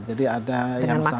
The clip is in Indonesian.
jadi ada yang sampai ke kita